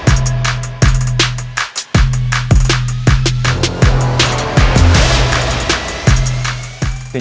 พลังเปิดทางการุจังเจอกับคนเดียว